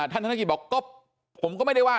ธนกิจบอกก็ผมก็ไม่ได้ว่า